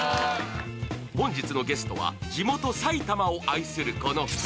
本日のゲストは地元・埼玉を愛するこの２人。